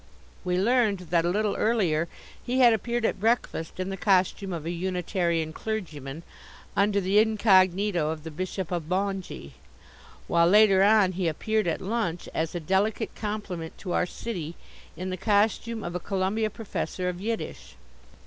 We learned that a little earlier he had appeared at breakfast in the costume of a Unitarian clergyman, under the incognito of the Bishop of Bongee; while later on he appeared at lunch, as a delicate compliment to our city, in the costume of a Columbia professor of Yiddish.